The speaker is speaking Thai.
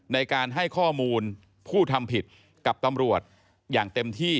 ในการให้ข้อมูลผู้ทำผิดกับตำรวจอย่างเต็มที่